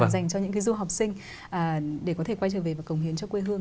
dành cho những cái du học sinh để có thể quay trở về và cống hiến cho quê hương